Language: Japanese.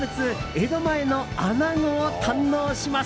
江戸前のアナゴを堪能します。